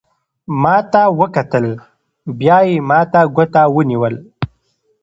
ما ته وکتل، بیا یې ما ته ګوته ونیول.